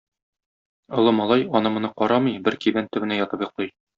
Олы малай, аны-моны карамый, бер кибән төбенә ятып йоклый.